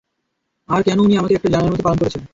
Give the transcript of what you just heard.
আর কেন উনি আমাকে একটা জানোয়ারের মতো পালন করেছেন?